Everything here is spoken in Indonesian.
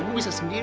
gue bisa sendiri